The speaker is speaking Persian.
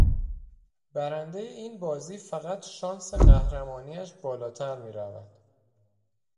برنده این بازی فقط شانس قهرمانی اش بالاتر می رود.